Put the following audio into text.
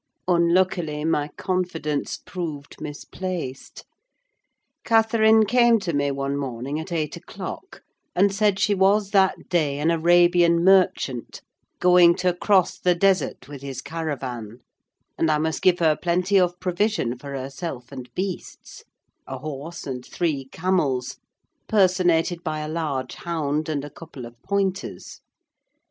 Unluckily, my confidence proved misplaced. Catherine came to me, one morning, at eight o'clock, and said she was that day an Arabian merchant, going to cross the Desert with his caravan; and I must give her plenty of provision for herself and beasts: a horse, and three camels, personated by a large hound and a couple of pointers.